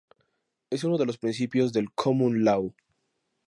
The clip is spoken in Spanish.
Es uno de los principios del "common law".